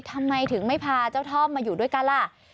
ทำไมถึงไม่พาเจ้าท่อมมาอยู่ด้วยกันล่ะ